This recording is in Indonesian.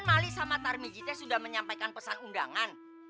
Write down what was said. maliko sama tarmija sudah menyampaikan pesan undangan